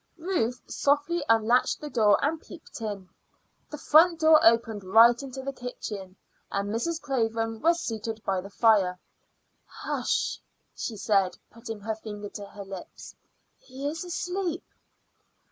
Ruth softly unlatched the door and peeped in. The front door opened right into the kitchen, and Mrs. Craven was seated by the fire. "Hush!" she said, putting her finger to her lips; "he is asleep."